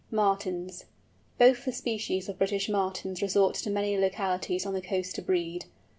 MARTINS. Both the species of British Martins resort to many localities on the coast to breed.